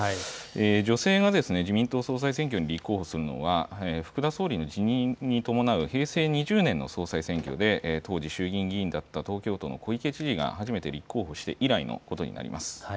女性が自民党総裁選挙に立候補するのは福田総理の辞任に伴う平成２０年の総裁選挙で当時、衆議院議員だった東京都の小池知事が初めて立候補して以来のことになります。